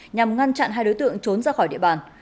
nhằm ngăn chặn hai đối tượng trốn ra khỏi địa bàn